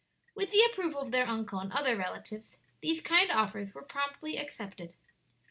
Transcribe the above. With the approval of their uncle and other relatives, these kind offers were promptly accepted.